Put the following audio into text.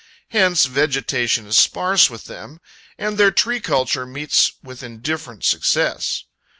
Hence vegetation is sparse with them, and their tree culture meets with indifferent success.